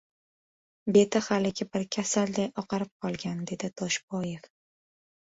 — Beti haligi bir kasalday oqarib qolgan, — dedi Toshboyev.